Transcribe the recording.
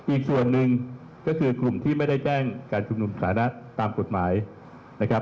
อีกส่วนหนึ่งก็คือกลุ่มที่ไม่ได้แจ้งการชุมนุมสถานะตามกฎหมายนะครับ